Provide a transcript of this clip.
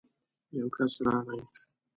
يو کس راغی.